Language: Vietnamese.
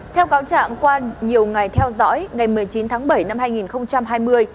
theo cáo trạng quan nhiều ngày theo dõi ngày một mươi chín tháng bảy năm hai nghìn hai mươi